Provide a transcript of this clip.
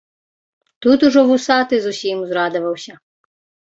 Тут ужо вусаты зусім узрадаваўся.